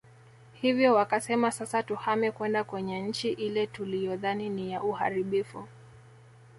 Hivyo wakasema sasa tuhame kwenda kwenye nchi ile tuliyodhani ni ya uharibifu